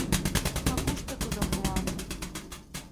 А кушто тудым муат?